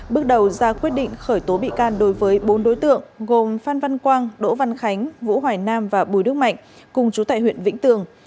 bước đầu ra quyết định khởi tố bị can đối với bốn đối tượng gồm phan văn quang đỗ văn khánh vũ hoài nam và bùi đức mạnh cùng chú tại huyện vĩnh tường